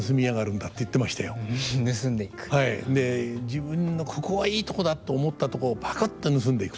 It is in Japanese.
自分の「ここはいいとこだと思ったとこをぱくっと盗んでいく」と。